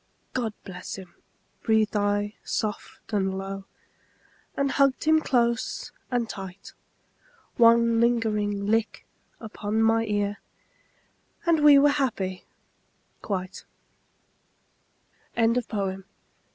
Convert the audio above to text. "God bless him," breathed I soft and low, And hugged him close and tight. One lingering lick upon my ear And we were happy quite. ANONYMOUS.